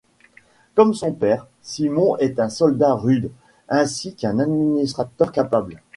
Comme son père, Simon est un soldat rude, ainsi qu'un administrateur capable.